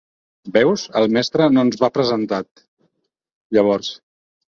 Veus, el mestre no ens va presentat, llavors.